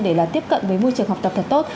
để tiếp cận với môi trường học tập thật tốt